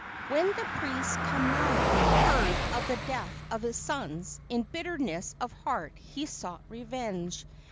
When the priest Kamalo heard of the death of his sons, in bitterness of heart he sought revenge.